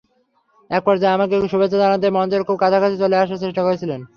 একপর্যায়ে আমাকে শুভেচ্ছা জানাতে মঞ্চের খুব কাছাকাছি চলে আসার চেষ্টা করেছিলেন।